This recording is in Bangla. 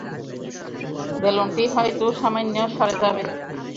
বেলুনটি হয়তো সামান্য সরে যাবে।